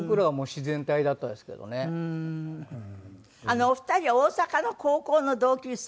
あのお二人は大阪の高校の同級生？